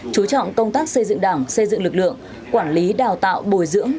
chú trọng công tác xây dựng đảng xây dựng lực lượng quản lý đào tạo bồi dưỡng